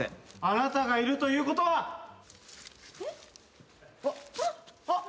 あなたがいるということは。えっ？あっ！